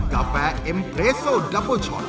กาแฟเอ็มเรสโซนดับเบอร์ช็อต